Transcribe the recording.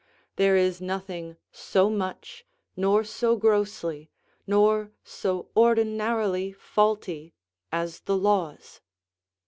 There is nothing so much, nor so grossly, nor so ordinarily faulty, as the laws.